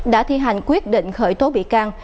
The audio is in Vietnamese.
đã thi hành quyết định khởi tố bị can